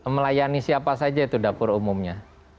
melayani siapa saja itu dapur umumnya